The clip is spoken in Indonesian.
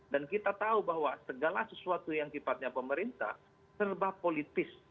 dan kita tahu bahwa segala sesuatu yang kipatnya pemerintah terlebah politis